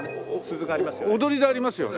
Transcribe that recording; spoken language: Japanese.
踊りでありますよね。